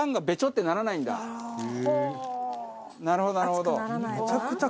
なるほどなるほど。